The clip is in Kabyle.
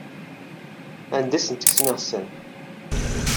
Anda ay asent-tekksem iɣsan?